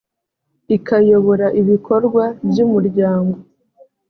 ikayobora ibikorwa by umuryango